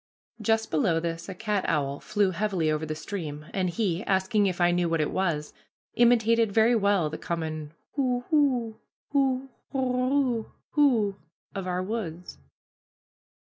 Just below this a cat owl flew heavily over the stream, and he, asking if I knew what it was, imitated very well the common hoo, hoo, hoo, hoorer, hoo, of our woods.